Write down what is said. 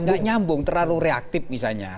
nggak nyambung terlalu reaktif misalnya